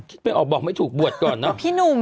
คิดเป็นออกบอกไม่ถูกบวชก่อนเนอะ